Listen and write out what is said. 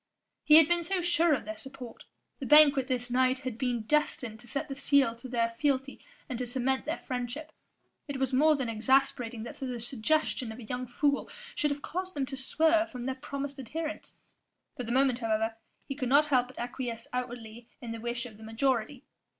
He had been so sure of their support; the banquet this night had been destined to set the seal to their fealty and to cement their friendship: it was more than exasperating that the suggestion of a young fool should have caused them to swerve from their promised adherence. For the moment however, he could not help but acquiesce outwardly in the wish of the majority.